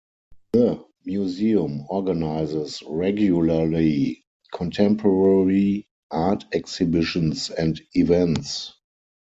The museum organizes regularly contemporary art exhibitions and events.